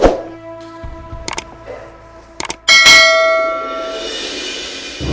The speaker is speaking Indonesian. dan ini buat lo